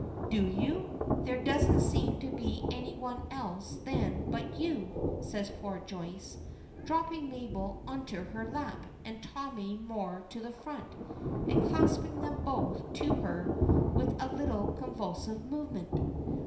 "Do you? There doesn't seem to be any one else, then, but you!" says poor Joyce, dropping Mabel into her lap, and Tommy more to the front, and clasping them both to her with a little convulsive movement.